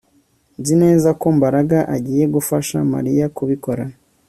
Nzi neza ko Mbaraga agiye gufasha Mariya kubikora